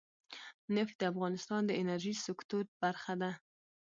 نفت د افغانستان د انرژۍ سکتور برخه ده.